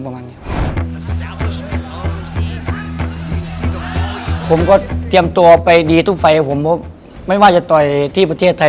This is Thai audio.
ผมก็เตรียมตัวไปดีทุกไฟผมเพราะไม่ว่าจะต่อยที่ประเทศไทย